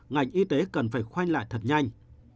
ngành y tế cần phải khoanh lại thật nhanh